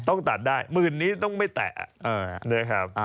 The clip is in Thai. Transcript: ต้องตัดได้หมื่นนี้ต้องไม่แตะ